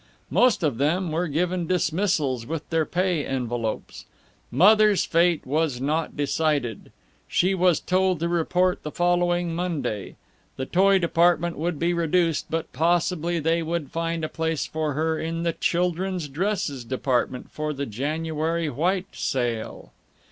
Most of them were given dismissals with their pay envelopes. Mother's fate was not decided. She was told to report on the following Monday; the toy department would be reduced, but possibly they would find a place for her in the children's dresses department, for the January white sale....